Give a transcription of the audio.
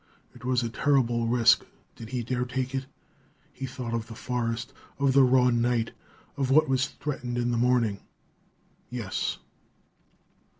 It was a terrible risk. Did he dare take it? He thought of the forest, of the raw night, of what was threatened in the morning.... Yes!